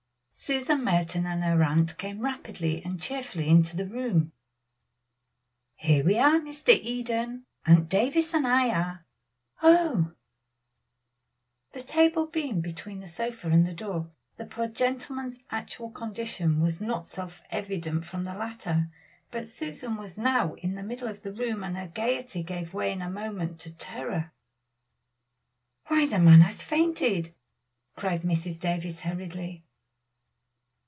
Susan Merton and her aunt came rapidly and cheerfully into the room. "Here we are, Mr. Eden, Aunt Davies and I Oh!" The table being between the sofa and the door the poor gentleman's actual condition was not self evident from the latter, but Susan was now in the middle of the room and her gayety gave way in a moment to terror. "Why, the man has fainted!" cried Mrs. Davies hurriedly.